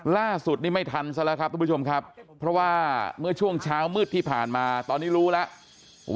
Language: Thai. ล่าสุดนี่ไม่ทันซะแล้วครับทุกผู้ชมครับเพราะว่าเมื่อช่วงเช้ามืดที่ผ่านมาตอนนี้รู้แล้ว